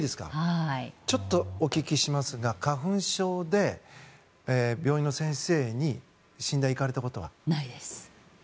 ちょっとお聞きしますが花粉症で病院の先生に診断行かれたことは？